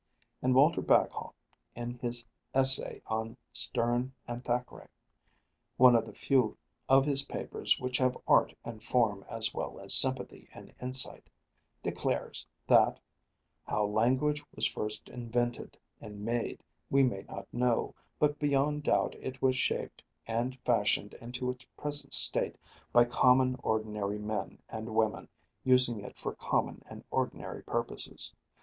And Walter Bagehot, in his essay on "Sterne and Thackeray" one of the few of his papers which have art and form as well as sympathy and insight declares that "how language was first invented and made we may not know, but beyond doubt it was shaped and fashioned into its present state by common ordinary men and women using it for common and ordinary purposes.